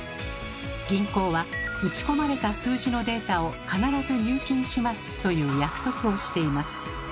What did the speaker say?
銀行は「打ち込まれた数字のデータを必ず入金します」という約束をしています。